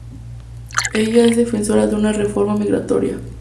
Ella es defensora de una reforma migratoria.